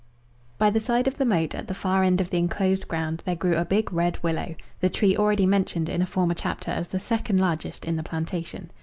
By the side of the moat at the far end of the enclosed ground there grew a big red willow, the tree already mentioned in a former chapter as the second largest in the plantation.